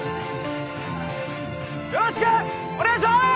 よろしくお願いします！